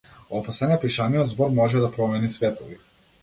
Опасен е пишаниот збор - може да промени светови.